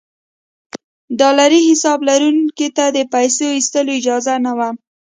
ډالري حساب لرونکو ته د پیسو ایستلو اجازه نه وه.